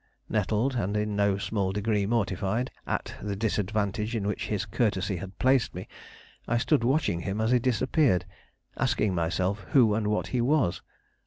Nettled, and in no small degree mortified, at the disadvantage in which his courtesy had placed me, I stood watching him as he disappeared, asking myself who and what he was.